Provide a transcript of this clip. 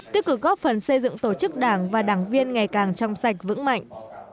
tư cử góp phần xây dựng tổ chức đảng và đảng viên ngày càng trong sạch vững mạnh